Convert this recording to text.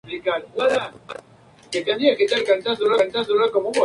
Las Carreteras Federales Mexicanas No.